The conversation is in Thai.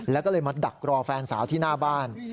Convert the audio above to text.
แล้วก็เลยมาดักรอแฟนสาวที่หน้าบ้าน